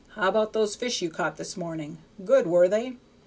How about those fish you caught this morning? good, were they?